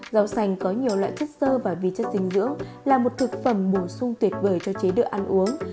rau xanh có nhiều loại thức sơ và vi chất dinh dưỡng là một thực phẩm bổ sung tuyệt vời cho chế độ ăn uống